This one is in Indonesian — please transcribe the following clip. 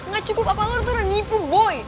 gak cukup apa lo udah nipu boy